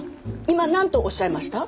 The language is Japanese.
今なんとおっしゃいました？